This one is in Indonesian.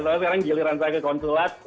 tapi sekarang giliran saya ke konsulat